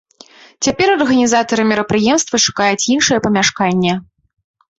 Цяпер арганізатары мерапрыемства шукаюць іншае памяшканне.